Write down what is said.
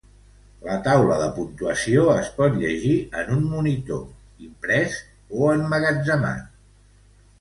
La taula de puntuació es pot llegir en un monitor, imprès o emmagatzemat.